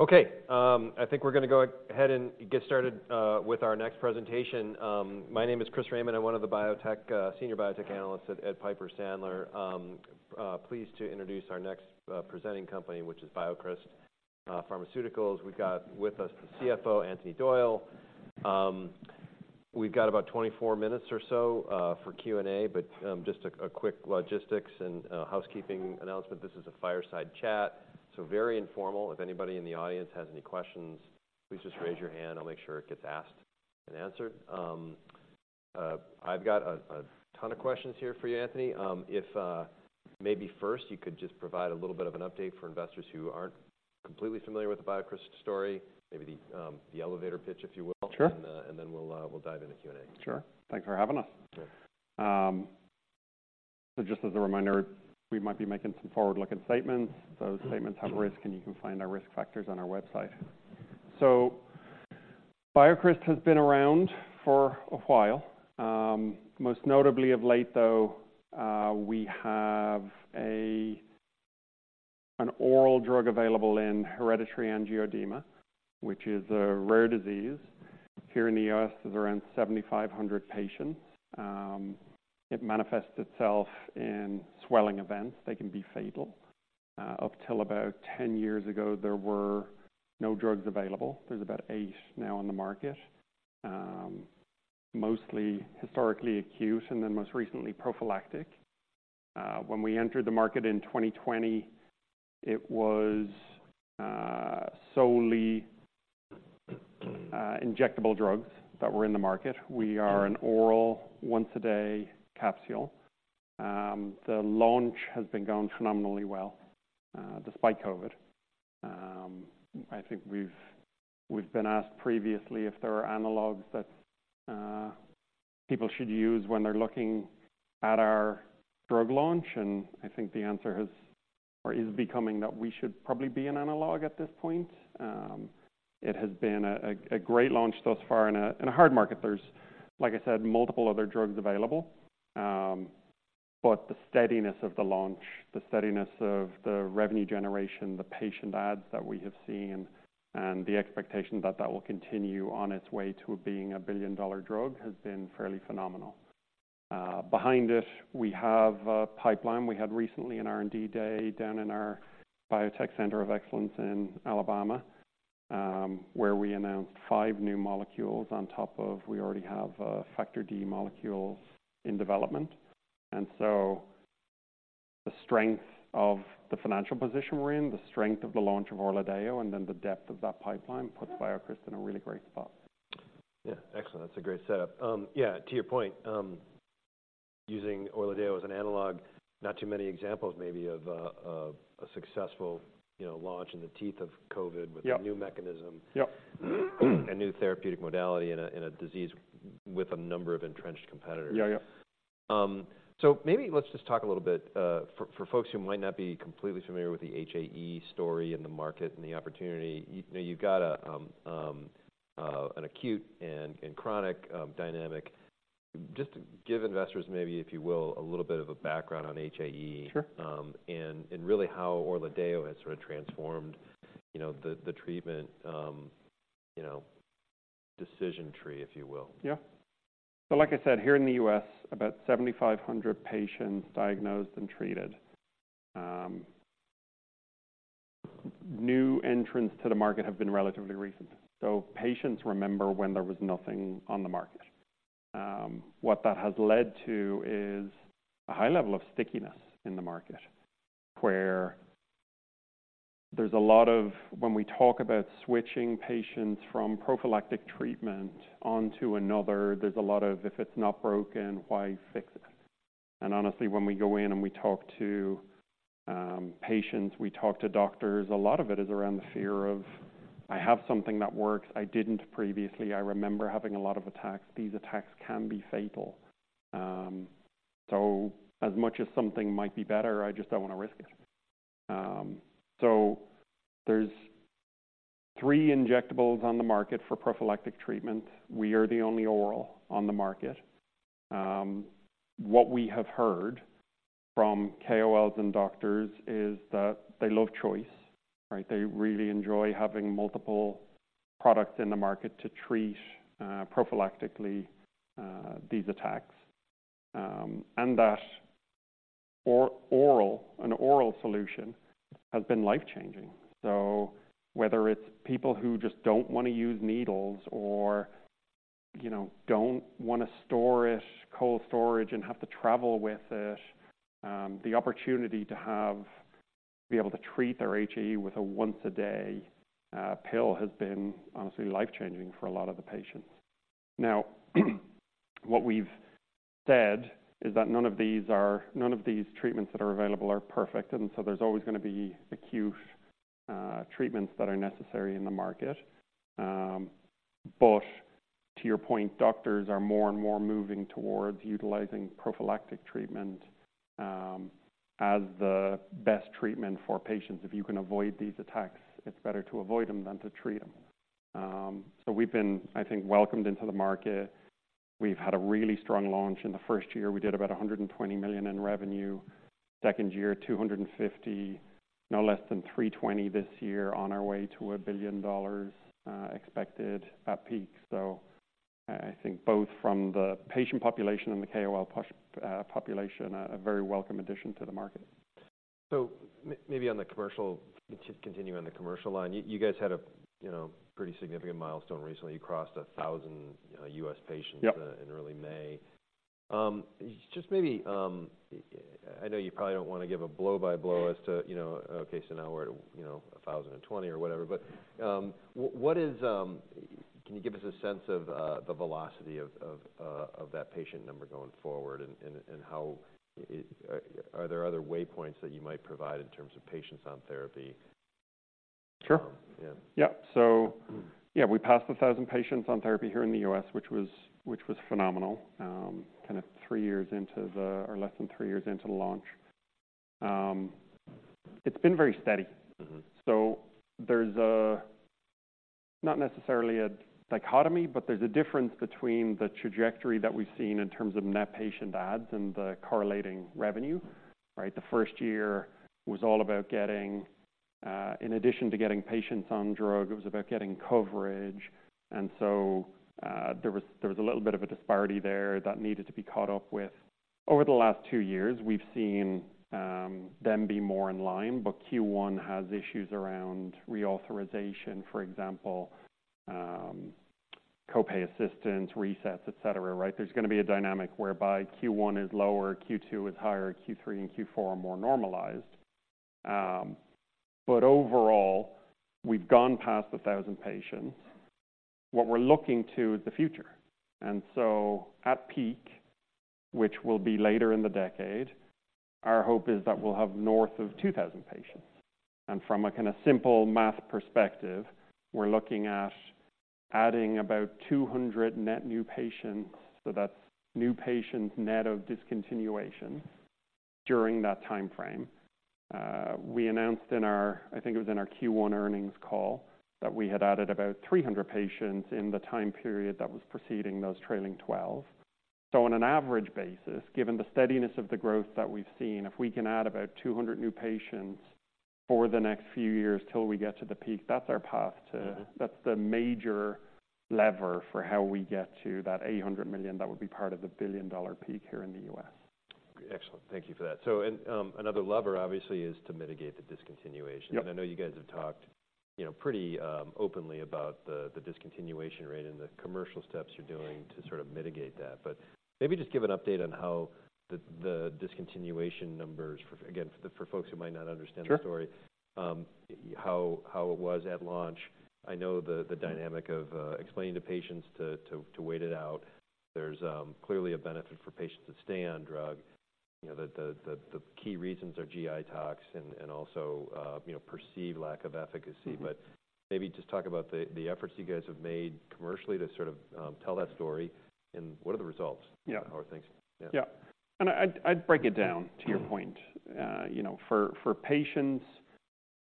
Okay, I think we're going to go ahead and get started with our next presentation. My name is Chris Raymond. I'm one of the biotech senior biotech analysts at Piper Sandler. Pleased to introduce our next presenting company, which is BioCryst Pharmaceuticals. We've got with us the CFO, Anthony Doyle. We've got about 24 minutes or so for Q&A, but just a quick logistics and housekeeping announcement. This is a fireside chat, so very informal. If anybody in the audience has any questions, please just raise your hand. I'll make sure it gets asked and answered. I've got a ton of questions here for you, Anthony. If maybe first you could just provide a little bit of an update for investors who aren't completely familiar with the BioCryst story, maybe the elevator pitch, if you will. Sure. And then we'll dive into Q&A. Sure. Thanks for having us. Sure. So just as a reminder, we might be making some forward-looking statements. Those statements have risk, and you can find our risk factors on our website. So BioCryst has been around for a while. Most notably of late, though, we have an oral drug available in hereditary angioedema, which is a rare disease. Here in the U.S., there's around 7,500 patients. It manifests itself in swelling events. They can be fatal. Up till about 10 years ago, there were no drugs available. There's about eight now on the market, mostly historically acute and then most recently, prophylactic. When we entered the market in 2020, it was solely injectable drugs that were in the market. We are an oral once-a-day capsule. The launch has been going phenomenally well, despite COVID. I think we've been asked previously if there are analogues that people should use when they're looking at our drug launch, and I think the answer has or is becoming that we should probably be an analogue at this point. It has been a great launch thus far in a hard market. There's, like I said, multiple other drugs available. But the steadiness of the launch, the steadiness of the revenue generation, the patient adds that we have seen, and the expectation that that will continue on its way to being a billion-dollar drug, has been fairly phenomenal. Behind it, we have a pipeline. We had recently an R&D Day down in our biotech center of excellence in Alabama, where we announced five new molecules on top of we already have a Factor D molecules in development. And so the strength of the financial position we're in, the strength of the launch of ORLADEYO, and then the depth of that pipeline, puts BioCryst in a really great spot. Yeah, excellent. That's a great setup. Yeah, to your point, using ORLADEYO as an analog, not too many examples maybe of a successful, you know, launch in the teeth of COVID, with a new mechanism, a new therapeutic modality in a disease with a number of entrenched competitors. Yeah. Yeah. So maybe let's just talk a little bit for folks who might not be completely familiar with the HAE story and the market and the opportunity. You've got an acute and chronic dynamic. Just to give investors maybe, if you will, a little bit of a background on HAE. Really how ORLADEYO has sort of transformed, you know, the treatment, you know, decision tree, if you will. Yeah. So like I said, here in the U.S., about 7,500 patients diagnosed and treated. New entrants to the market have been relatively recent, so patients remember when there was nothing on the market. What that has led to is a high level of stickiness in the market, where there's a lot of... When we talk about switching patients from prophylactic treatment onto another, there's a lot of, "If it's not broken, why fix it?" And honestly, when we go in and we talk to patients, we talk to doctors, a lot of it is around the fear of: I have something that works. I didn't previously. I remember having a lot of attacks. These attacks can be fatal. So as much as something might be better, I just don't want to risk it. So there's three injectables on the market for prophylactic treatment. We are the only oral on the market. What we have heard from KOLs and doctors is that they love choice, right? They really enjoy having multiple products in the market to treat prophylactically these attacks, and that oral, an oral solution has been life-changing. So whether it's people who just don't want to use needles or, you know, don't want to store it, cold storage, and have to travel with it, the opportunity to be able to treat their HAE with a once-a-day pill has been honestly life-changing for a lot of the patients. Now, what we've said is that none of these treatments that are available are perfect, and so there's always going to be acute treatments that are necessary in the market. But to your point, doctors are more and more moving towards utilizing prophylactic treatment as the best treatment for patients. If you can avoid these attacks, it's better to avoid them than to treat them. So we've been, I think, welcomed into the market. We've had a really strong launch. In the first year, we did about $120 million in revenue. Second year, $250 million. No less than $320 million this year, on our way to $1 billion expected at peak. So I, I think both from the patient population and the KOL population, a very welcome addition to the market. So maybe on the commercial, to continue on the commercial line, you, you guys had a, you know, pretty significant milestone recently. You crossed 1,000 U.S. patients in early May. Just maybe, I know you probably don't want to give a blow-by-blow as to, you know, okay, so now we're at, you know, 1,020 or whatever. But, what is... Can you give us a sense of the velocity of that patient number going forward, and how are there other waypoints that you might provide in terms of patients on therapy? Sure. Yeah. Yep. So, yeah, we passed 1,000 patients on therapy here in the U.S., which was phenomenal. Kind of three years into the launch. Or less than three years into the launch. It's been very steady. Mm-hmm. So there's not necessarily a dichotomy, but there's a difference between the trajectory that we've seen in terms of net patient adds and the correlating revenue, right? The first year was all about getting. In addition to getting patients on drug, it was about getting coverage. And so there was a little bit of a disparity there that needed to be caught up with. Over the last two years, we've seen them be more in line, but Q1 has issues around reauthorization, for example, co-pay assistance, resets, et cetera, right? There's going to be a dynamic whereby Q1 is lower, Q2 is higher, Q3 and Q4 are more normalized. But overall, we've gone past 1,000 patients. What we're looking to is the future. And so at peak, which will be later in the decade, our hope is that we'll have north of 2,000 patients. And from a kind of simple math perspective, we're looking at adding about 200 net new patients, so that's new patients net of discontinuation, during that timeframe. We announced in our, I think it was in our Q1 earnings call, that we had added about 300 patients in the time period that was preceding those trailing 12. So on an average basis, given the steadiness of the growth that we've seen, if we can add about 200 new patients for the next few years till we get to the peak, that's our path to that's the major lever for how we get to that $800 million that would be part of the billion-dollar peak here in the U.S. Excellent. Thank you for that. So, another lever obviously is to mitigate the discontinuation. Yep. I know you guys have talked, you know, pretty openly about the discontinuation rate and the commercial steps you're doing to sort of mitigate that. But maybe just give an update on how the discontinuation numbers, for, again, for the folks who might not understand the story, how it was at launch. I know the dynamic of explaining to patients to wait it out. There's clearly a benefit for patients to stay on drug. You know, the key reasons are GI tox and also, you know, perceived lack of efficacy. Mm-hmm. Maybe just talk about the efforts you guys have made commercially to sort of tell that story, and what are the results? How are things? Yeah. Yeah. And I'd break it down to your point. You know, for patients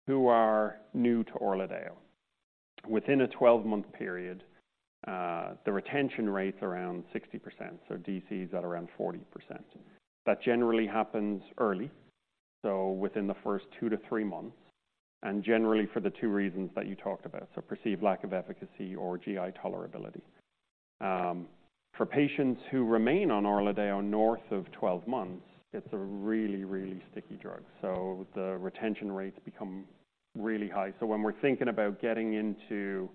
who are new to ORLADEYO, within a 12-month period, the retention rate's around 60%, so DC is at around 40%. That generally happens early, so within the first two to three months, and generally for the two reasons that you talked about, so perceived lack of efficacy or GI tolerability. For patients who remain on ORLADEYO north of 12 months, it's a really, really sticky drug, so the retention rates become really high. So when we're thinking about getting into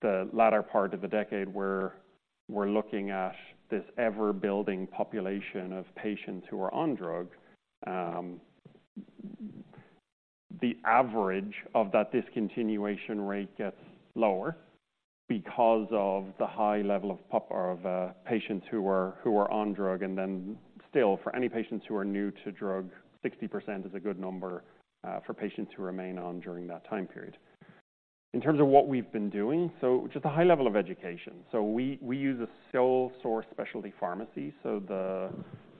the latter part of the decade, where we're looking at this ever-building population of patients who are on drug, the average of that discontinuation rate gets lower because of the high level of population of patients who are on drug. Then still, for any patients who are new to drug, 60% is a good number for patients who remain on during that time period. In terms of what we've been doing, so just a high level of education. So we use a sole source specialty pharmacy, so the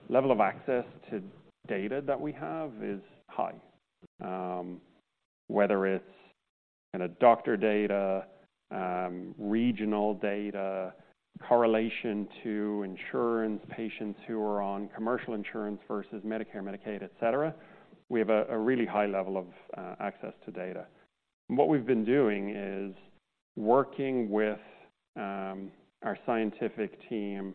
level of access to data that we have is high. Whether it's kind of doctor data, regional data, correlation to insurance, patients who are on commercial insurance versus Medicare, Medicaid, et cetera, we have a really high level of access to data. What we've been doing is working with our scientific team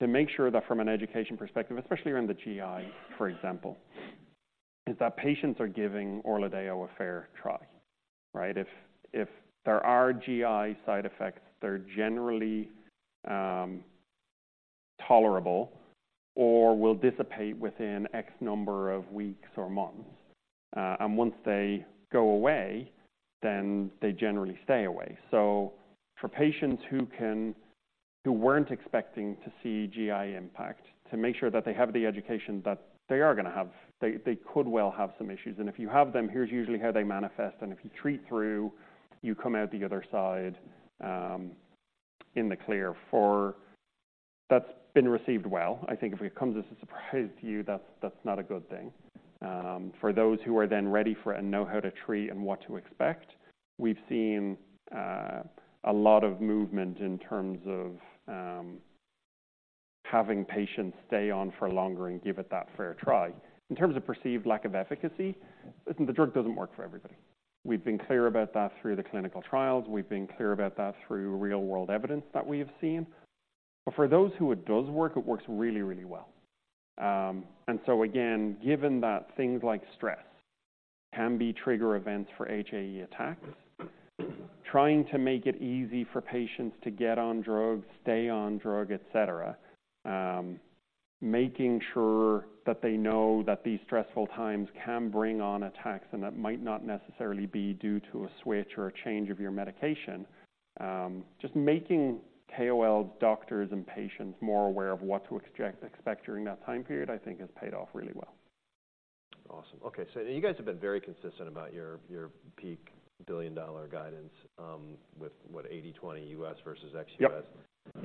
to make sure that from an education perspective, especially around the GI, for example, is that patients are giving ORLADEYO a fair try, right? If, if there are GI side effects, they're generally tolerable or will dissipate within X number of weeks or months. And once they go away, then they generally stay away. So for patients who weren't expecting to see GI impact, to make sure that they have the education, that they are going to have... They, they could well have some issues. And if you have them, here's usually how they manifest, and if you treat through, you come out the other side, in the clear. That's been received well. I think if it comes as a surprise to you, that's not a good thing. For those who are then ready for and know how to treat and what to expect... We've seen a lot of movement in terms of having patients stay on for longer and give it that fair try. In terms of perceived lack of efficacy, listen, the drug doesn't work for everybody. We've been clear about that through the clinical trials. We've been clear about that through real-world evidence that we have seen. But for those who it does work, it works really, really well. And so again, given that things like stress can be trigger events for HAE attacks, trying to make it easy for patients to get on drugs, stay on drug, et cetera. Making sure that they know that these stressful times can bring on attacks, and that might not necessarily be due to a switch or a change of your medication. Just making KOLs, doctors, and patients more aware of what to expect during that time period, I think has paid off really well. Awesome. Okay, so you guys have been very consistent about your peak billion-dollar guidance, with what, 80/20 U.S. versus ex-U.S. Yep.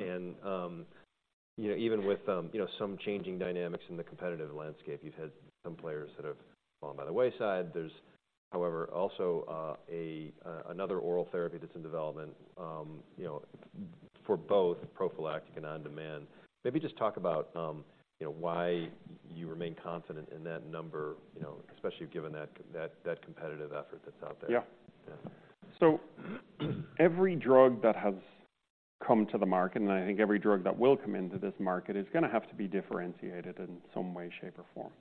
You know, even with you know, some changing dynamics in the competitive landscape, you've had some players that have fallen by the wayside. There's, however, also another oral therapy that's in development, you know, for both prophylactic and on-demand. Maybe just talk about you know, why you remain confident in that number, you know, especially given that competitive effort that's out there. Yeah. Yeah. So every drug that has come to the market, and I think every drug that will come into this market, is going to have to be differentiated in some way, shape, or form.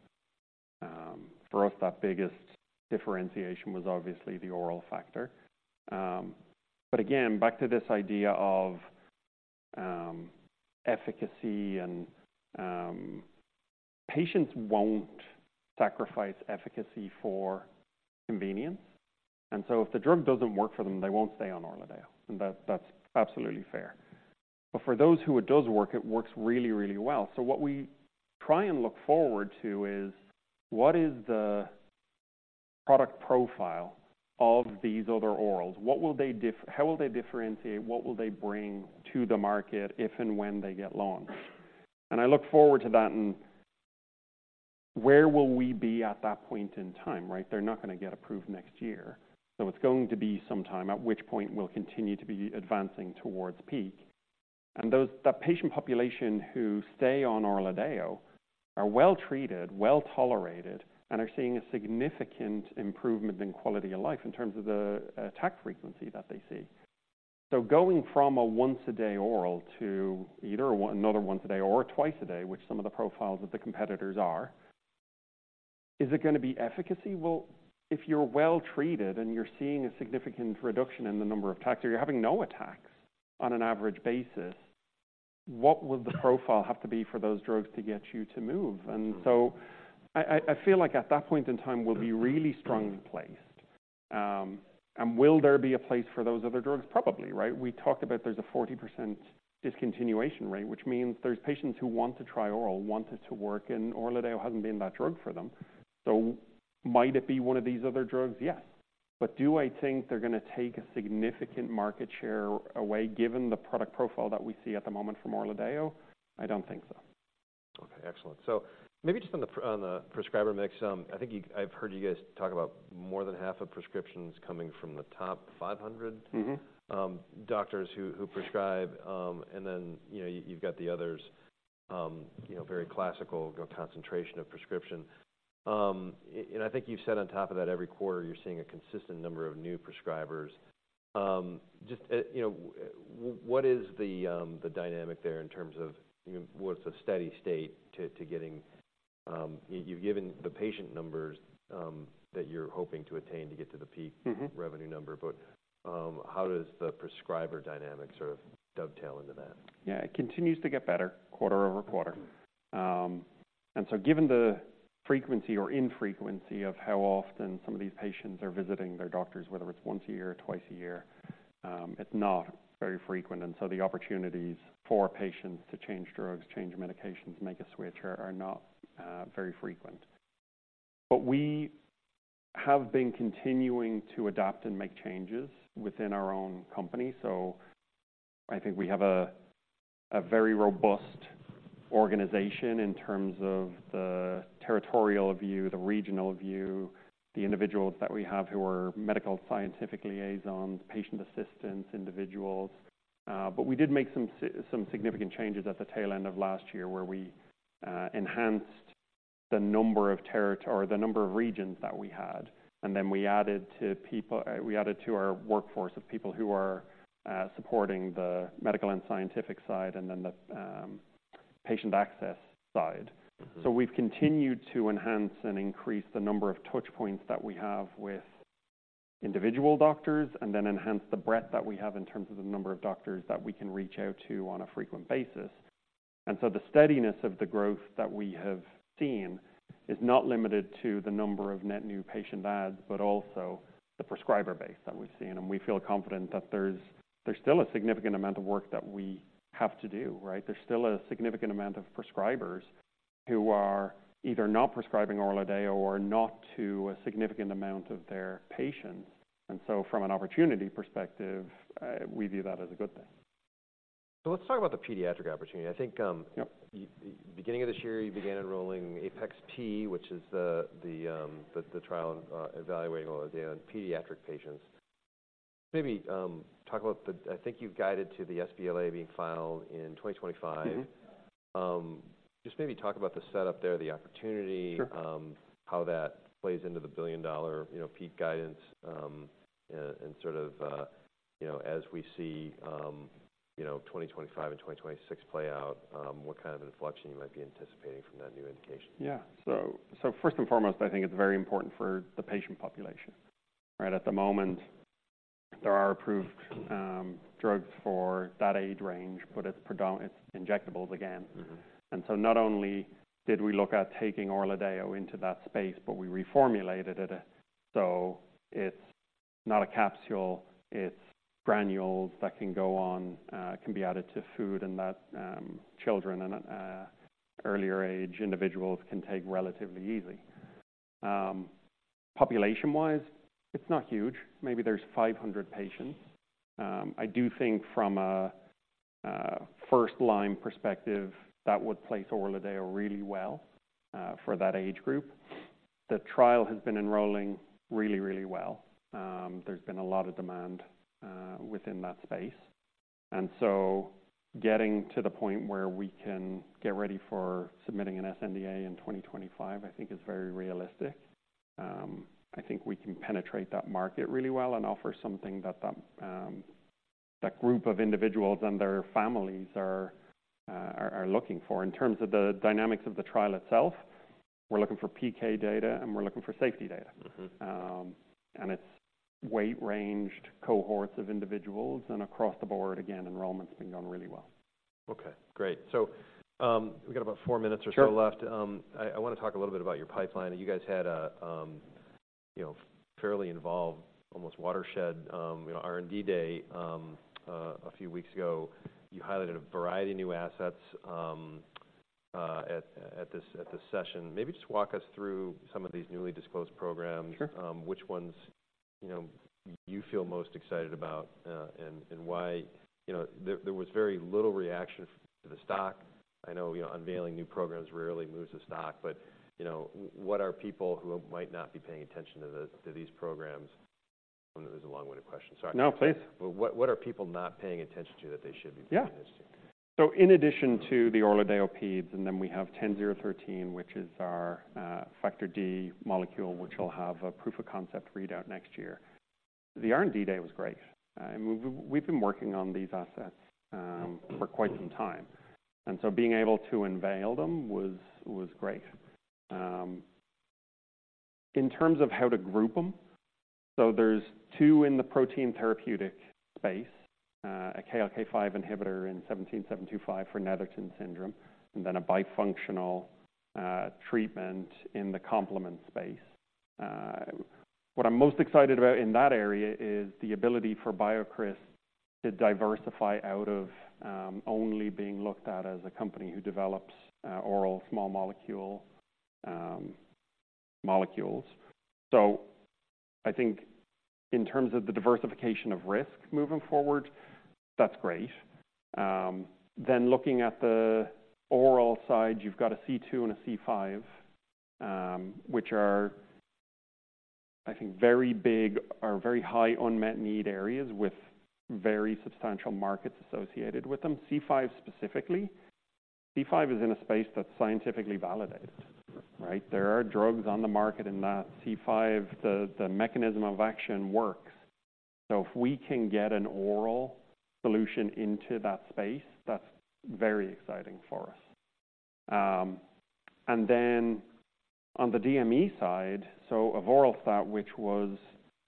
For us, that biggest differentiation was obviously the oral factor. But again, back to this idea of, efficacy and... Patients won't sacrifice efficacy for convenience, and so if the drug doesn't work for them, they won't stay on ORLADEYO, and that's, that's absolutely fair. But for those who it does work, it works really, really well. So what we try and look forward to is: what is the product profile of these other orals? What will they—how will they differentiate? What will they bring to the market if and when they get launched? And I look forward to that and where will we be at that point in time, right? They're not going to get approved next year, so it's going to be some time, at which point we'll continue to be advancing towards peak. And that patient population who stay on ORLADEYO are well treated, well tolerated, and are seeing a significant improvement in quality of life in terms of the attack frequency that they see. So going from a once-a-day oral to either one, another once-a-day or twice-a-day, which some of the profiles of the competitors are, is it going to be efficacy? Well, if you're well treated and you're seeing a significant reduction in the number of attacks, or you're having no attacks on an average basis, what would the profile have to be for those drugs to get you to move? Mm-hmm. And so I feel like at that point in time, we'll be really strongly placed. And will there be a place for those other drugs? Probably, right? We talked about there's a 40% discontinuation rate, which means there's patients who want to try oral, want it to work, and ORLADEYO hasn't been that drug for them. So might it be one of these other drugs? Yes. But do I think they're going to take a significant market share away, given the product profile that we see at the moment from ORLADEYO? I don't think so. Okay, excellent. So maybe just on the, on the prescriber mix, I think you... I've heard you guys talk about more than half of prescriptions coming from the top 500 doctors who prescribe, and then, you know, you've got the others, you know, very classical concentration of prescription. And I think you've said on top of that, every quarter, you're seeing a consistent number of new prescribers. Just, you know, what is the dynamic there in terms of, you know, what's a steady state to getting... You've given the patient numbers that you're hoping to attain to get to the peak revenue number, but, how does the prescriber dynamic sort of dovetail into that? Yeah, it continues to get better quarter-over-quarter. And so given the frequency or infrequency of how often some of these patients are visiting their doctors, whether it's once a year or twice a year, it's not very frequent, and so the opportunities for patients to change drugs, change medications, make a switch are, are not very frequent. But we have been continuing to adapt and make changes within our own company. So I think we have a, a very robust organization in terms of the territorial view, the regional view, the individuals that we have who are medical scientific liaisons, patient assistance individuals. But we did make some significant changes at the tail end of last year, where we enhanced the number of territory or the number of regions that we had, and then we added to our workforce of people who are supporting the medical and scientific side and then the patient access side. Mm-hmm. So we've continued to enhance and increase the number of touch points that we have with individual doctors and then enhance the breadth that we have in terms of the number of doctors that we can reach out to on a frequent basis. And so the steadiness of the growth that we have seen is not limited to the number of net new patient adds, but also the prescriber base that we've seen. And we feel confident that there's still a significant amount of work that we have to do, right? There's still a significant amount of prescribers who are either not prescribing ORLADEYO or not to a significant amount of their patients. And so from an opportunity perspective, we view that as a good thing. So let's talk about the pediatric opportunity. I think, beginning of this year, you began enrolling APeX-P, which is the trial evaluating on the pediatric patients. Maybe talk about the. I think you've guided to the sBLA being filed in 2025. Mm-hmm. Just maybe talk about the setup there, the opportunity- how that plays into the billion-dollar, you know, peak guidance, and sort of, you know, as we see, you know, 2025 and 2026 play out, what kind of inflection you might be anticipating from that new indication? Yeah. So first and foremost, I think it's very important for the patient population, right? At the moment, there are approved drugs for that age range, but it's injectables again. Mm-hmm. And so not only did we look at taking ORLADEYO into that space, but we reformulated it, so it's not a capsule. It's granules that can go on, can be added to food and that children and earlier age individuals can take relatively easily. Population-wise, it's not huge. Maybe there's 500 patients. I do think from a first-line perspective, that would place ORLADEYO really well for that age group. The trial has been enrolling really, really well. There's been a lot of demand within that space. And so getting to the point where we can get ready for submitting an sNDA in 2025, I think is very realistic. I think we can penetrate that market really well and offer something that that group of individuals and their families are looking for. In terms of the dynamics of the trial itself, we're looking for PK data, and we're looking for safety data. It's weight-ranged cohorts of individuals, and across the board, again, enrollment's been going really well. Okay, great. So, we've got about four minutes or so left. Sure. I want to talk a little bit about your pipeline. You guys had a, you know, fairly involved, almost watershed, you know, R&D day, a few weeks ago. You highlighted a variety of new assets, at this session. Maybe just walk us through some of these newly disclosed programs. Sure. Which ones, you know, you feel most excited about, and why. You know, there was very little reaction to the stock. I know, you know, unveiling new programs rarely moves the stock, but, you know, what are people who might not be paying attention to these programs... This is a long-winded question, sorry. No, please. What, what are people not paying attention to that they should be paying attention to? Yeah. So in addition to the ORLADEYO peds, and then we have BCX10013, which is our Factor D molecule, which will have a proof of concept readout next year. The R&D day was great. I mean, we've been working on these assets for quite some time, and so being able to unveil them was great. In terms of how to group them, so there's two in the protein therapeutic space, a KLK-5 inhibitor and BCX17725 for Netherton syndrome, and then a bifunctional treatment in the complement space. What I'm most excited about in that area is the ability for BioCryst to diversify out of only being looked at as a company who develops oral small molecule molecules. So I think in terms of the diversification of risk moving forward, that's great. Then looking at the oral side, you've got a C2 and a C5, which are, I think, very big or very high unmet need areas with very substantial markets associated with them. C5 specifically, C5 is in a space that's scientifically validated, right? There are drugs on the market, and that C5, the mechanism of action works. So if we can get an oral solution into that space, that's very exciting for us. And then on the DME side, so avoralstat, which was,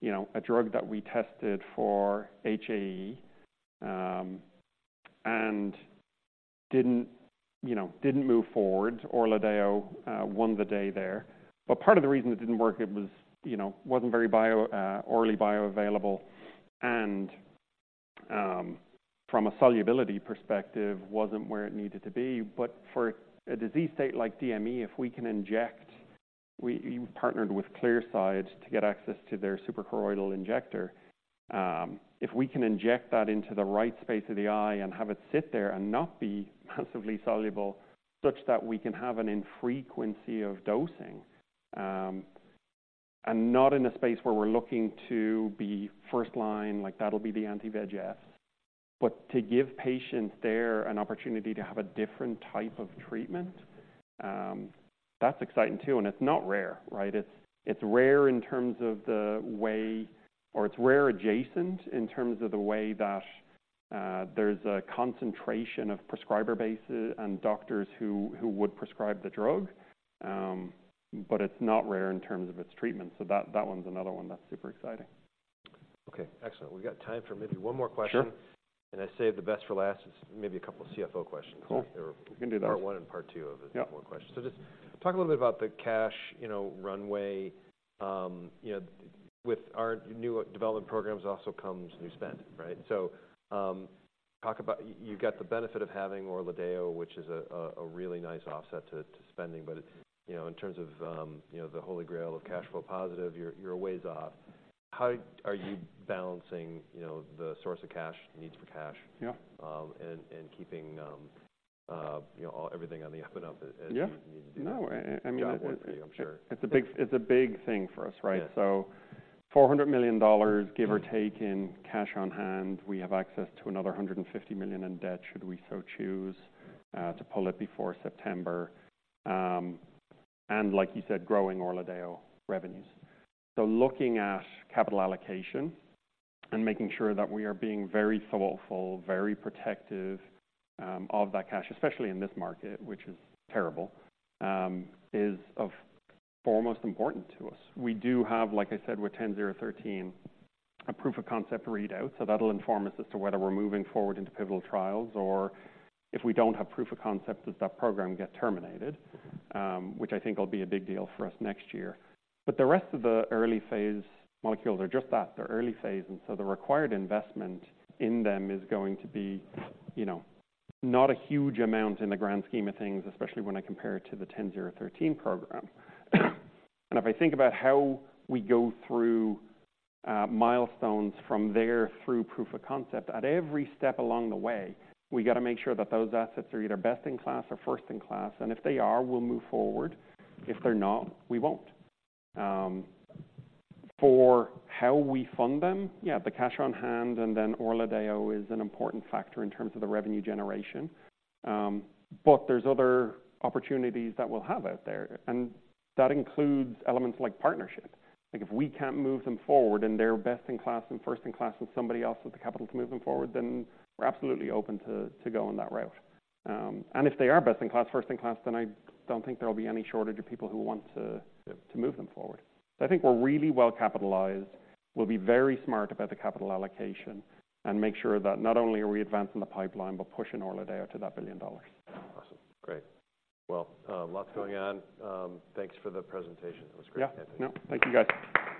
you know, a drug that we tested for HAE, and didn't, you know, didn't move forward. ORLADEYO won the day there. But part of the reason it didn't work, it was, you know, wasn't very orally bioavailable and, from a solubility perspective, wasn't where it needed to be. But for a disease state like DME, if we can inject, we partnered with Clearside to get access to their suprachoroidal injector. If we can inject that into the right space of the eye and have it sit there and not be massively soluble, such that we can have an infrequency of dosing, and not in a space where we're looking to be first line, like that'll be the anti-VEGF. But to give patients there an opportunity to have a different type of treatment, that's exciting too. And it's not rare, right? It's rare in terms of the way... or it's rare adjacent in terms of the way that, there's a concentration of prescriber bases and doctors who would prescribe the drug, but it's not rare in terms of its treatment. So that's another one that's super exciting. Okay, excellent. We've got time for maybe one more question. Sure. I saved the best for last. It's maybe a couple of CFO questions. Cool. We can do that. Part one and part two of it. Yeah. One more question. So just talk a little bit about the cash, you know, runway. You know, with our new development programs also comes new spend, right? So, talk about... You, you got the benefit of having ORLADEYO, which is a, a, a really nice offset to, to spending, but, you know, in terms of, you know, the holy grail of cash flow positive, you're, you're a ways off.... How are you balancing, you know, the source of cash, needs for cash? Yeah. And keeping you know everything on the up and up- as you need to do. No, I mean- Job one for you, I'm sure. It's a big thing for us, right? Yes. So $400 million, give or take, in cash on hand. We have access to another $150 million in debt, should we so choose, to pull it before September. And like you said, growing ORLADEYO revenues. So looking at capital allocation and making sure that we are being very thoughtful, very protective, of that cash, especially in this market, which is terrible, is of foremost important to us. We do have, like I said, with BCX10013, a proof of concept readout, so that'll inform us as to whether we're moving forward into pivotal trials or if we don't have proof of concept, does that program get terminated? Which I think will be a big deal for us next year. But the rest of the early-phase molecules are just that, they're early phase, and so the required investment in them is going to be, you know, not a huge amount in the grand scheme of things, especially when I compare it to the BCX10013 program. And if I think about how we go through milestones from there through proof of concept, at every step along the way, we got to make sure that those assets are either best-in-class or first-in-class, and if they are, we'll move forward. If they're not, we won't. For how we fund them, yeah, the cash on hand and then ORLADEYO is an important factor in terms of the revenue generation. But there's other opportunities that we'll have out there, and that includes elements like partnerships. Like, if we can't move them forward and they're best-in-class and first-in-class, and somebody else with the capital to move them forward, then we're absolutely open to go on that route. And if they are best-in-class, first-in-class, then I don't think there will be any shortage of people who want to move them forward. I think we're really well capitalized. We'll be very smart about the capital allocation and make sure that not only are we advancing the pipeline, but pushing ORLADEYO to that $1 billion. Awesome. Great. Well, lots going on. Thanks for the presentation. It was great. Yeah. No, thank you, guys.